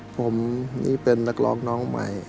ผมนี่เป็นนักร้องน้องใหม่